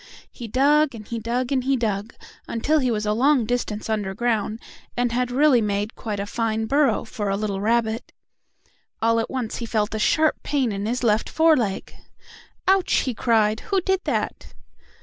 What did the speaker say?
He dug and he dug and he dug, until he was a long distance under ground, and had really made quite a fine burrow for a little rabbit. All at once he felt a sharp pain in his left fore leg. "Ouch!" he cried. "Who did that?"